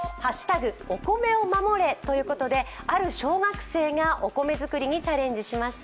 「＃お米を守れ」ということである小学生がお米作りにチャレンジしました。